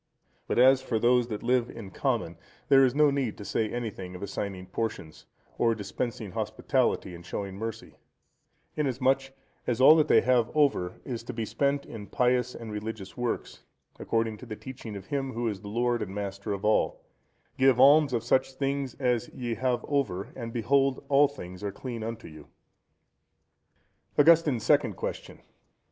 But as for those that live in common, there is no need to say anything of assigning portions, or dispensing hospitality and showing mercy; inasmuch as all that they have over is to be spent in pious and religious works, according to the teaching of Him who is the Lord and Master of all, "Give alms of such things as ye have over, and behold all things are clean unto you."(123) _Augustine's Second Question.